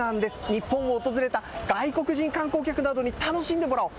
日本を訪れた外国人観光客などに楽しんでもらおう。